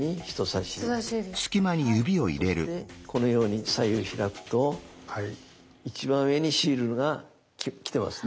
そしてこのように左右開くと一番上にシールがきてます。